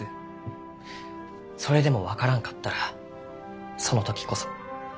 それでも分からんかったらその時こそ。